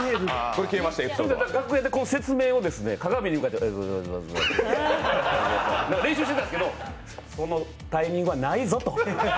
楽屋で説明を鏡に向かって練習してたんですけどそのタイミングはないぞと。